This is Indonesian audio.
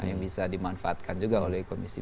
yang bisa dimanfaatkan juga oleh komisi